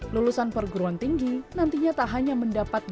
lulusan perguruan tinggi nantinya tak hanya mendapatkan